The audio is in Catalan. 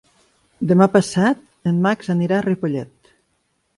Demà passat en Max anirà a Ripollet.